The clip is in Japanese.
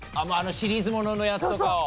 シリーズもののやつとかを？